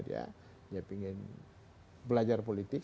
dia ingin belajar politik